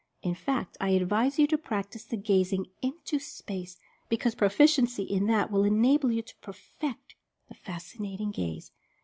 In fact, I advise you to practice the "gazing into space," because proficiency in that will enable you to perfect the Fascinating Gaze.